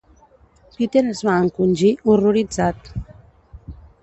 Peter es va encongir, horroritzat.